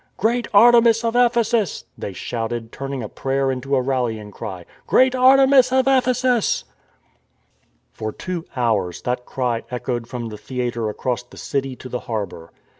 " Great Artemis of Ephesus," they shouted, turn ing a prayer into a rallying cry :" Great Artemis of Ephesus." THE DEFIANCE OF ARTEMIS 265 For two hours that cry echoed from the theatre across the city to the harbour.